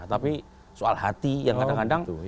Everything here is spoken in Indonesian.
tapi soal hati yang kadang kadang